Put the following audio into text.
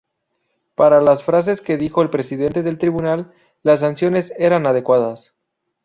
Para las frases que dijo el presidente del tribunal, las sanciones eran adecuadas.